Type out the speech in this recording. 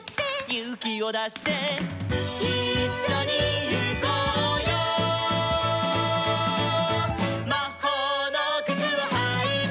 「ゆうきをだして」「いっしょにゆこうよ」「まほうのくつをはいて」